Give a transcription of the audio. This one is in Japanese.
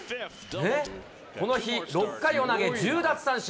この日、６回を投げ、１０奪三振。